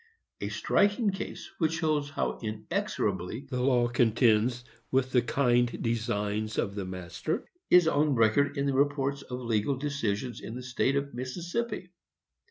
A striking case, which shows how inexorably the law contends with the kind designs of the master, is on record in the reports of legal decisions in the State of Mississippi.